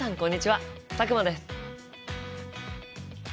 佐久間です。